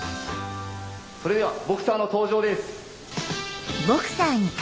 それではボクサーの登場です。